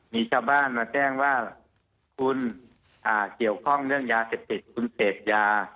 มีเจ้าบ้านมาแจ้งว่าคุณอ่าเกี่ยวข้องเรื่องยาเสร็จผิดคุณเศษยา